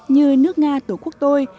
như nước nga tổ quốc tôi